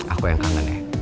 aku yang kangen ya